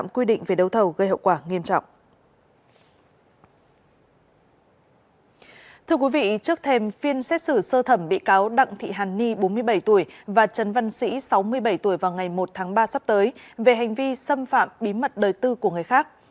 thưa quý vị trước thêm phiên xét xử sơ thẩm bị cáo đặng thị hàn ni bốn mươi bảy tuổi và trần văn sĩ sáu mươi bảy tuổi vào ngày một tháng ba sắp tới về hành vi xâm phạm bí mật đời tư của người khác